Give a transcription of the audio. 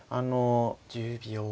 １０秒。